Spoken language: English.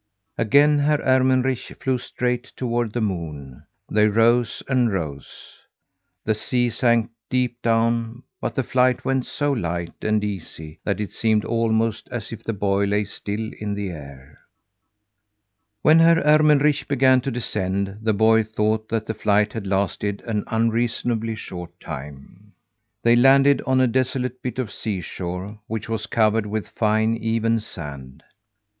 Again Herr Ermenrich flew straight toward the moon. They rose and rose; the sea sank deep down, but the flight went so light and easy that it seemed almost as if the boy lay still in the air. When Herr Ermenrich began to descend, the boy thought that the flight had lasted an unreasonably short time. They landed on a desolate bit of seashore, which was covered with fine, even sand.